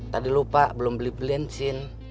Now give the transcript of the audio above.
tadi lupa belum beli bensin